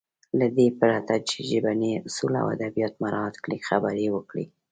له دې پرته چې ژبني اصول او ادبيات مراعت کړي خبرې يې وکړې.